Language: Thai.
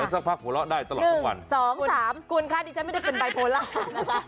เดี๋ยวสักพักหัวเราะได้ตลอดทุกวันหนึ่งสองสามคุณค่ะดิฉันไม่ได้เป็นไบโพลานะคะ